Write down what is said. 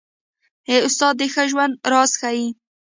استاد د ښه ژوند راز ښيي.